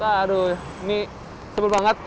aduh ini sempet banget